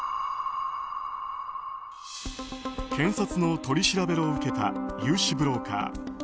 検察の取り調べを受けた融資ブローカー